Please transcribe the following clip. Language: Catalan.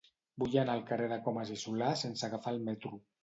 Vull anar al carrer de Comas i Solà sense agafar el metro.